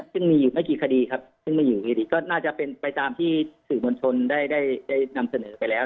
ซึ่งมีอยู่ไม่กี่คดีครับซึ่งไม่อยู่ดีก็น่าจะเป็นไปตามที่สื่อมวลชนได้นำเสนอไปแล้ว